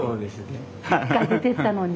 １回出てったのに。